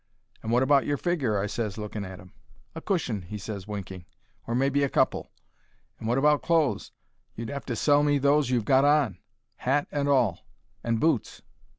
"And wot about your figger?" I ses, looking at 'im. "A cushion," he ses, winking, "or maybe a couple. And what about clothes? You'll 'ave to sell me those you've got on. Hat and all. And boots."